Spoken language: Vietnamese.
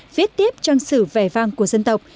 viết tiếp trong sự vẻ vang của dân tộc